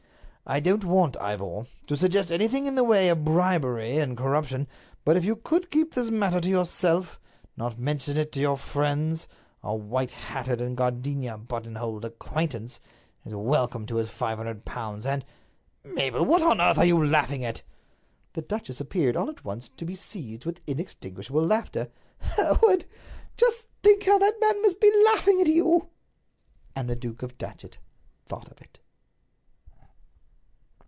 "I don't want, Ivor, to suggest anything in the way of bribery and corruption, but if you could keep this matter to yourself, and not mention it to your friends, our white hatted and gardenia buttonholed acquaintance is welcome to his five hundred pounds, and—Mabel, what on earth are you laughing at?" The duchess appeared, all at once, to be seized with inextinguishable laughter. "Hereward," she cried, "just think how that man must be laughing at you!" And the Duke of Datchet thought of it.